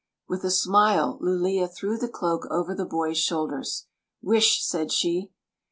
With a smile, Lulea threw the cloak over the boys shoulders. "Wishr said she.